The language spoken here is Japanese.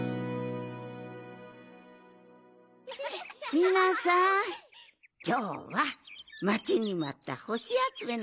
みなさんきょうはまちにまったほしあつめのひですね。